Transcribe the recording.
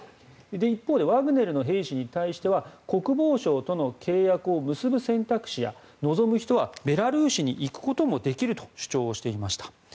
一方でワグネルの兵士に対しては国防省との契約を結ぶ選択肢や望む人はベラルーシに行くこともできると主張していました。